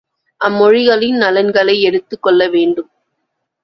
அம்மொழிகளின் நலன்களை எடுத்துக் கொள்ள வேண்டும்.